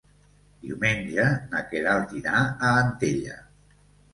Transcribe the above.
Diumenge na Queralt irà a Antella.